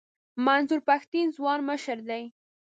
منظور پښتین ځوان مشر دی.